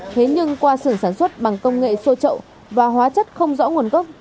thế nhưng qua sưởng sản xuất bằng công nghệ sô trậu và hóa chất không rõ nguồn cốc